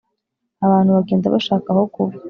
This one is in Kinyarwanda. Abantu bagenda bashaka ahokuba.